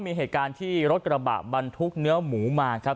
มีเหตุการณ์ที่รถกระบะบรรทุกเนื้อหมูมาครับ